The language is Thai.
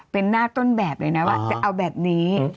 เป็นหน้าต้นแบบเลยนะว่าจะเอาแบบนี้